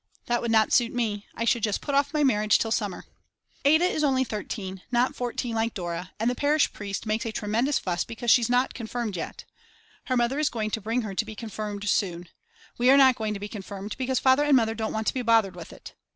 That would not suit me, I should just put off my marriage till the summer. Ada is only 13 not 14 like Dora, and the parish priest makes a tremendous fuss because she's not confirmed yet. Her mother is going to bring her to be confirmed soon. We are not going to be confirmed because Father and Mother don't want to be bothered with it.